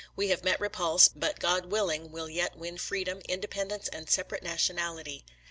We have met repulse, but, God willing, will yet win freedom, independence, and separate nationality.